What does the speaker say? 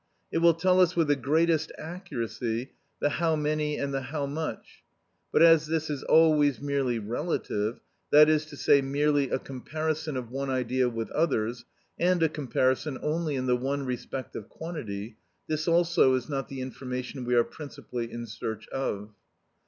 It will tell us with the greatest accuracy the how many and the how much; but as this is always merely relative, that is to say, merely a comparison of one idea with others, and a comparison only in the one respect of quantity, this also is not the information we are principally in search of.